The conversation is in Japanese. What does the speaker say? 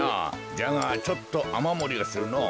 じゃがちょっとあまもりがするのぉ。